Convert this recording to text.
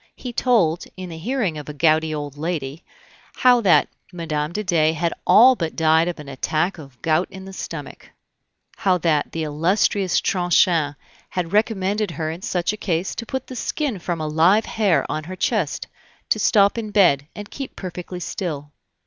He told, in the hearing of a gouty old lady, how that Mme. de Dey had all but died of an attack of gout in the stomach; how that the illustrious Tronchin had recommended her in such a case to put the skin from a live hare on her chest, to stop in bed, and keep perfectly still.